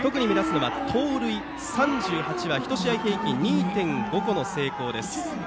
特に、盗塁３８は１試合平均で２．５個の成功です。